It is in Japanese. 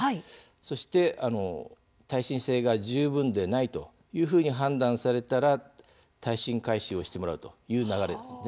そして、耐震性が十分でないと判断されたら耐震改修をしてもらうという流れです。